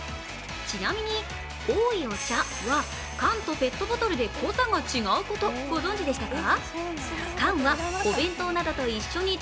ちなみに、おいお茶は缶とペットボトルで濃さが違うこと、ご存じでしたか？